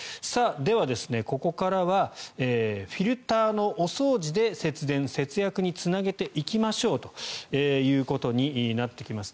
では、ここからはフィルターのお掃除で節電、節約につなげていきましょうということになってきます。